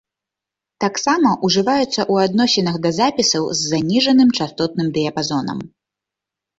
Таксама ўжываецца ў адносінах да запісаў з заніжаным частотным дыяпазонам.